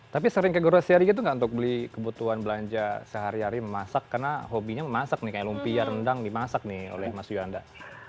tapi sering kayak gara gara sehari gitu gak untuk beli kebutuhan belanja sehari hari memasak karena hobinya memasak nih kayak lumpia rendang dimasak nih oleh mas yuhanda